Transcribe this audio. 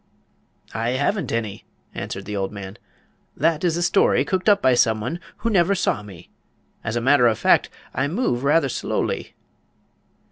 "I haven't any," answered the old man. "That is a story cooked up by some one who never saw me. As a matter of fact, I move rather slowly."